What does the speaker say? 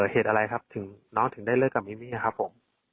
เหตุอะไรครับถึงน้องถึงได้เลิกกับมิมี่ครับผม